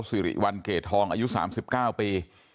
สิริวัลเกรดทองอายุ๓๙ปี